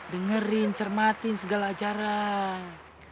dengerin cermatin segala ajaran